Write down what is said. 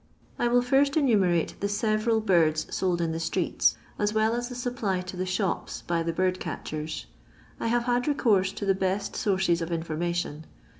I will first enumerate the several birds sold in the streets, as well as the supply to the shops by the bird catchers. I have had recourse to the best sources of information.